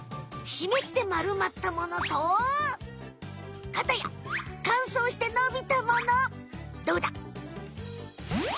しめってまるまったものとかたやかんそうしてのびたもの。